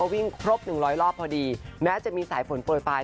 วิ่งครบหนึ่งร้อยรอบพอดีแม้จะมีสายฝนปล่อยปลาย